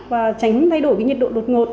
và tránh thay đổi nhiệt độ đột ngột